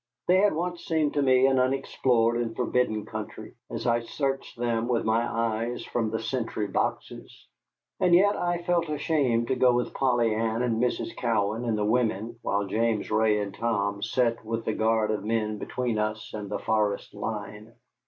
They had once seemed to me an unexplored and forbidden country as I searched them with my eyes from the sentry boxes. And yet I felt a shame to go with Polly Ann and Mrs. Cowan and the women while James Ray and Tom sat with the guard of men between us and the forest line.